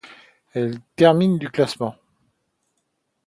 Il termine du classement.